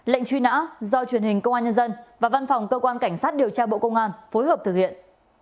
lệnh truy nã do truyền hình công an nhân dân và văn phòng cơ quan cảnh sát điều tra bộ công an phối hợp thực hiện